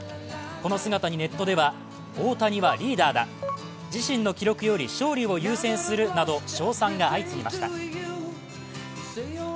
この姿にネットでは大谷はリーダーだ自身の記録より勝利を優先するなど賞賛が相次ぎました。